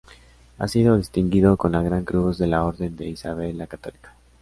Ha sido distinguido con la Gran Cruz de la Orden de Isabel la Católica.